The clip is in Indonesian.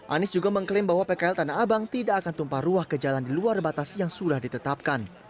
anies juga mengklaim bahwa pkl tanah abang tidak akan tumpah ruah ke jalan di luar batas yang sudah ditetapkan